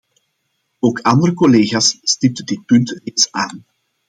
Ook andere collega's stipten dit punt reeds aan.